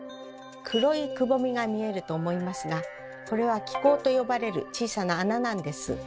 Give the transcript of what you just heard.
黒いくぼみが見えると思いますがこれは「気孔」と呼ばれる小さな穴なんです。